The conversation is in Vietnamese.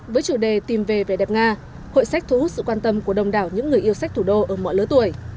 với chủ đề tìm về vẻ đẹp nga hội sách thu hút sự quan tâm của đông đảo những người yêu sách thủ đô ở mọi lứa tuổi